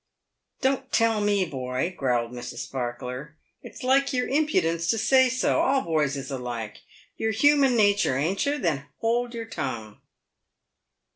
"Don't tell me, boy!" growled Mrs. Sparkler. "It's like your impudence to say so. All boys is alike. You're human natur', ain't you ? Then hold your tongue."